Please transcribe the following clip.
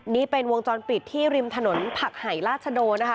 นี่เป็นวงจรปิดที่ริมถนนผักไห่ราชโดนะคะ